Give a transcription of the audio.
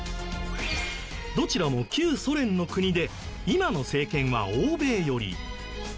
どちらも旧ソ連の国で今の政権は欧米寄り。